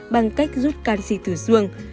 bằng cách rút canxi từ xương